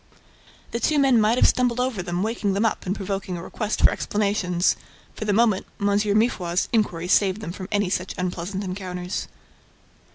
The two men might have stumbled over them, waking them up and provoking a request for explanations. For the moment, M. Mifroid's inquiry saved them from any such unpleasant encounters.